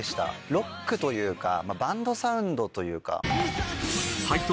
ロックというかバンドサウンドというか。